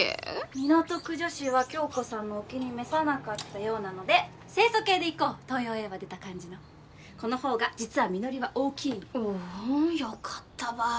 港区女子は響子さんのお気に召さなかったようなので清楚系でいこう東洋英和出た感じのこのほうが実は実りは大きいよかったばい